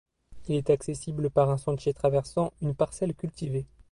Il est accessible par un sentier traversant une parcelle cultivée.